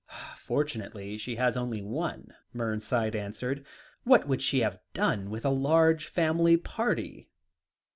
"Fortunate she has only one," Mernside answered; "what would she have done with a large family party?"